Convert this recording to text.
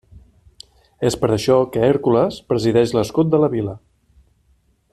És per això que Hèrcules presideix l'escut de la Vila.